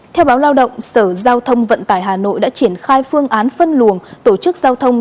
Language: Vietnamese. theo báo lao động sở giao thông vận tải hà nội đã triển khai phương án phân luồng tổ chức giao thông